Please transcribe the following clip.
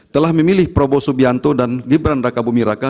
telah memilih prabowo subianto dan gibran raka bumi raka